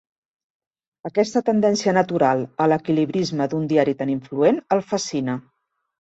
Aquesta tendència natural a l'equilibrisme d'un diari tan influent el fascina.